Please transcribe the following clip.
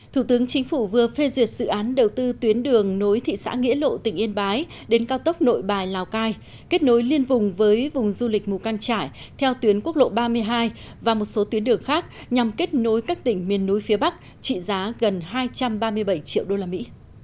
thủ tướng chính phủ vừa phê duyệt dự án đầu tư tuyến đường nối thị xã nghĩa lộ tỉnh yên bái đến cao tốc nội bài lào cai kết nối liên vùng với vùng du lịch mù căng trải theo tuyến quốc lộ ba mươi hai và một số tuyến đường khác nhằm kết nối các tỉnh miền núi phía bắc trị giá gần hai trăm ba mươi bảy triệu usd